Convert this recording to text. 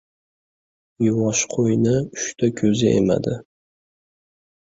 • Yuvosh qo‘yni uchta qo‘zi emadi.